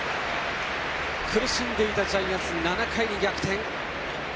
苦しんでいたジャイアンツ７回に逆転。